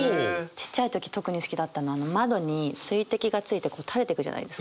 ちっちゃい時特に好きだったのは窓に水滴がついてこうたれてくじゃないですか。